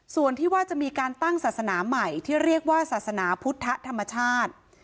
ส่วนที่ว่าจะมีการตั้งศาสนาใหม่ที่เรียกว่าศาสนาพุทธธรรมชาติ